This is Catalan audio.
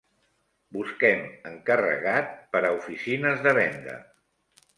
Busquem encarregat per a oficines de venda.